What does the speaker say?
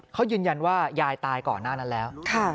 เขายืนยันว่ายายตายก่อนหน้านั้นแล้ว